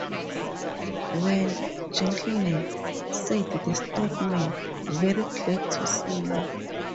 ‘Well, gentlemen,’ said the stout man, ‘very glad to see you'.